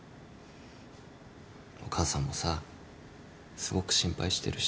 お母さんもさすごく心配してるし。